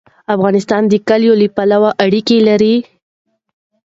افغانستان د کلیو له پلوه اړیکې لري.